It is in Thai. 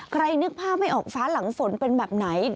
นึกภาพไม่ออกฟ้าหลังฝนเป็นแบบไหน